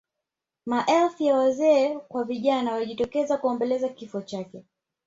maelfu ya wazee kwa vijana walijitokeza kuomboleza kifo chake